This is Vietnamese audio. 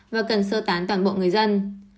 và cần sơ tán toàn bộ người dân